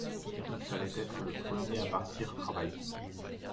Il fallait être le premier à partir travailler.